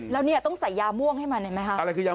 แล้วต้องใส่ยาม่วงให้มันไหมฮะ